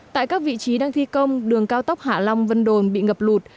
tại các vị trí đang thi công đường cao tốc hạ long vân đồn bị ngập lụt